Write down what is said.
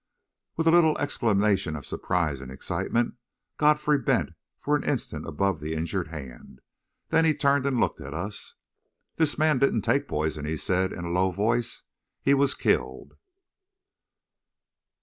With a little exclamation of surprise and excitement, Godfrey bent for an instant above the injured hand. Then he turned and looked at us. "This man didn't take poison," he said, in a low voice. "He was killed!"